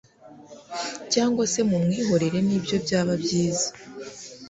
cyangwa se kumwihorera nibyo byaba byiza